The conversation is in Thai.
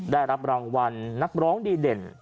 ได้รับรางวัลนักร้องดีเด่น